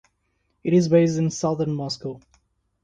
It is based in Southern Moscow.